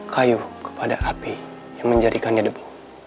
kayu kepada api yang menjadikannya debu